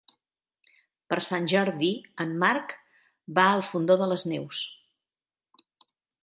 Per Sant Jordi en Marc va al Fondó de les Neus.